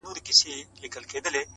د جهاني د ګل ګېډیو وطن!.